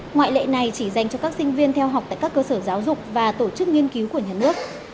ngoại lệ này chỉ dành cho các sinh viên theo học tại các cơ sở giáo dục và tổ chức nghiên cứu của nhà nước